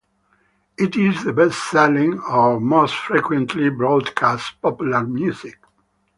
It is the best-selling or most frequently broadcast popular music.